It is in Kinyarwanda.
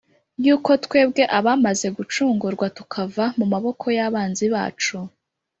Yuko twebwe abamaze gucungurwa tukava mu maboko yabanzi bacu